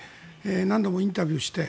何度もインタビューをして。